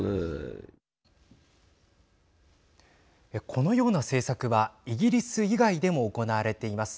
このような政策はイギリス以外でも行われています。